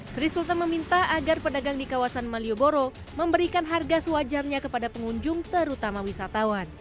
sri sultan meminta agar pedagang di kawasan malioboro memberikan harga sewajarnya kepada pengunjung terutama wisatawan